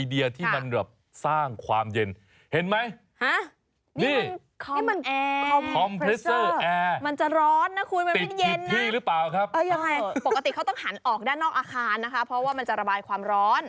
เพราะว่ามันจะระบายความร้อน